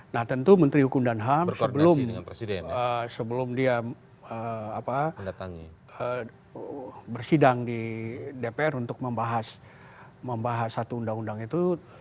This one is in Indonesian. nah tentu menteri hukum dan ham sebelum dia bersidang di dpr untuk membahas satu undang undang itu